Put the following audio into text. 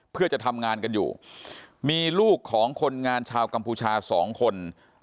เพื่อจะทำงานกันอยู่มีลูกของคนงานชาวกัมพูชาสองคน